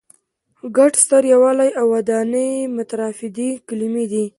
ګډ، ستر، یووالی او ودانۍ مترادفې کلمې دي.